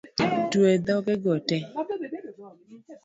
Twe dhoge go tee